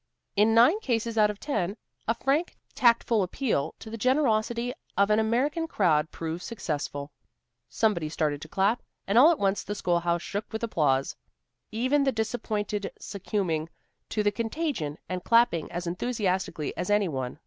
In nine cases out of ten, a frank, tactful appeal to the generosity of an American crowd proves successful. Somebody started to clap, and all at once the schoolhouse shook with applause, even the disappointed succumbing to the contagion and clapping as enthusiastically as any one.